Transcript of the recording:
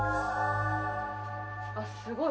あっすごい！